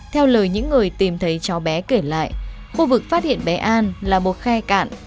theo lời những người tìm thấy cháu bé kể lại khu vực phát hiện bé an là một khe cạn